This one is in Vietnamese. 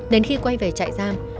đến khi quay về trại giam